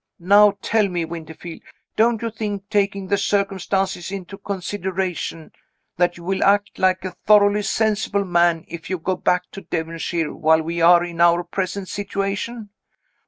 Now tell me, Winterfield, don't you think, taking the circumstances into consideration that you will act like a thoroughly sensible man if you go back to Devonshire while we are in our present situation?